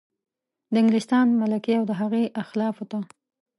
د انګلستان ملکې او د هغې اخلافو ته.